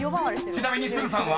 ［ちなみに都留さんは？］